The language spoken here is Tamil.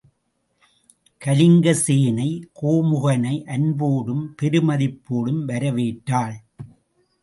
கலிங்கசேனை கோமுகனை அன்போடும் பெருமதிப்போடும் வரவேற்றாள்.